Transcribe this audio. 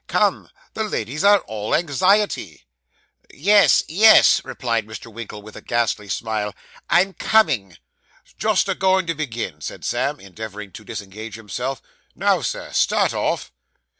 'Come; the ladies are all anxiety.' 'Yes, yes,' replied Mr. Winkle, with a ghastly smile. 'I'm coming.' 'Just a goin' to begin,' said Sam, endeavouring to disengage himself. 'Now, Sir, start off!